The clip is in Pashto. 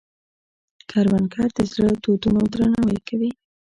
کروندګر د زړو دودونو درناوی کوي